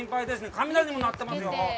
雷も鳴ってますよ。